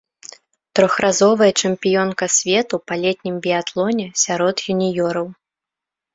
Трохразовая чэмпіёнка свету па летнім біятлоне сярод юніёраў.